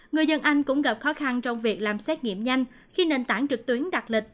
người dân anh cũng gặp khó khăn trong việc làm xét nghiệm nhanh khi nền tảng trực tuyến đặt lịch